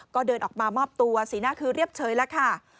ก็เดินออกมามอบตัวสีหน้าคือเรียบเฉยแล้วค่ะ